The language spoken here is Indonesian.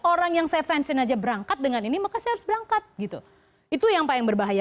orang yang saya fansin aja berangkat dengan ini